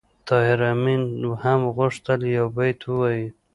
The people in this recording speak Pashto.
طاهر آمین هم غوښتل یو بیت ووایي